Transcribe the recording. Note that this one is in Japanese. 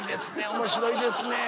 「面白いですね」。